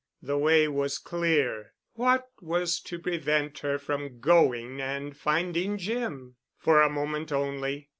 The way was clear. What was to prevent her from going and finding Jim? For a moment only.